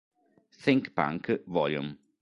Think Punk Vol.